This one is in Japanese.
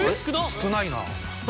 少ないなあ。